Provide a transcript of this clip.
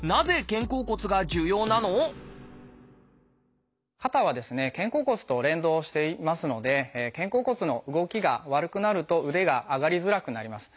肩甲骨と連動していますので肩甲骨の動きが悪くなると腕が上がりづらくなります。